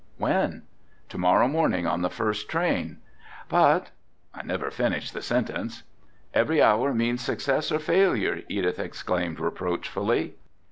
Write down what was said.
"When?" "To morrow morning on the first train." "But," I never finished the sentence. "Every hour means success or failure," Edith exclaimed reproachfully.